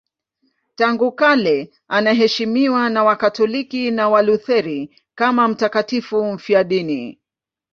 Tangu kale anaheshimiwa na Wakatoliki na Walutheri kama mtakatifu mfiadini.